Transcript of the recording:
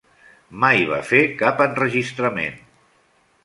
Mai va fer cap enregistrament.